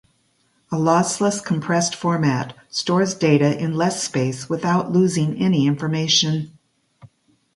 A lossless compressed format stores data in less space without losing any information.